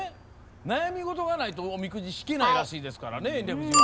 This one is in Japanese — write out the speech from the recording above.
悩み事がないとおみくじ引けないらしいですから。